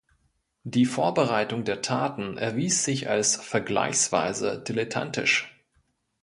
Die Vorbereitung der Taten erwies sich als vergleichsweise dilettantisch.